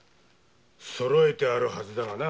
そろえてあるはずだがな。